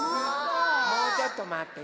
もうちょっとまって。